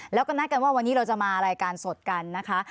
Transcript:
แล้วก็นัดกันว่าวันนี้เราจะมารายการสดกันนะคะ